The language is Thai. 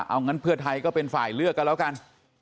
เอางั้นเพื่อไทยก็เป็นฝ่ายเลือกกันแล้วกัน